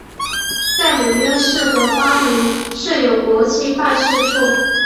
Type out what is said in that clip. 在纽约市和巴林设有国际办事处。